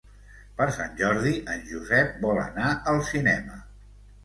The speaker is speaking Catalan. Per Sant Jordi en Josep vol anar al cinema.